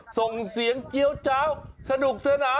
ส่งเสียงเจี๊ยวเจ้าสนุกสนาน